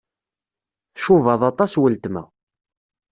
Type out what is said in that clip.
Tcubaḍ aṭas weltma.